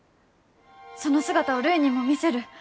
その姿をるいにも見せる。